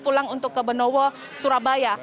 pulang untuk ke benowo surabaya